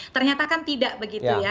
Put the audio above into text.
ternyata kan tidak begitu ya